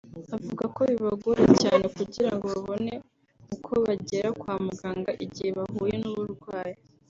avuga ko bibagora cyane kugirango babone uko bagera kwa muganga igihe bahuye n’uburwayi